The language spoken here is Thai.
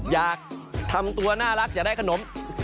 อยากทำตัวน่ารักอยากได้ขนม